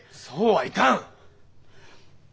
そうはいかん。